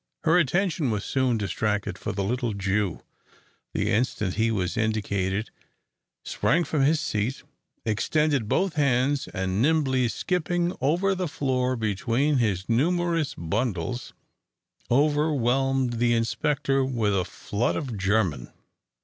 Her attention, however, was soon distracted, for the little Jew, the instant he was indicated, sprang from his seat, extended both hands, and nimbly skipping over the floor between his numerous bundles, overwhelmed the inspector with a flood of German.